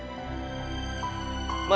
rai kita berangkat